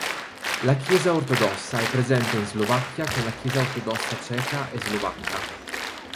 La Chiesa ortodossa è presente in Slovacchia con la Chiesa ortodossa ceca e slovacca.